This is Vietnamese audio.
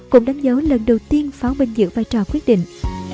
cũng đánh dấu lần đầu tiên pháo binh giữ vai trò quyết định